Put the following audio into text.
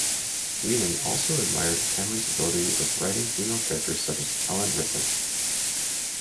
Whedon also admired Cameron's ability of writing female characters such as Ellen Ripley.